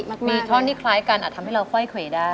มันมีท่อนที่คล้ายกันอาจทำให้เราค่อยเคยได้